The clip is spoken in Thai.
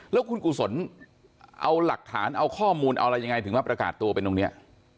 แล้วคุณกุศลเอาหลักฐานเอาข้อมูลเอาอะไรยังไงถึงมาประกาศตัวเป็นตรงนี้